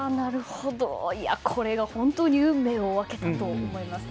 これが本当に運命を分けたと思います。